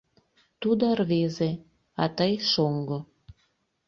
Тудо рвезе, а тый шоҥго.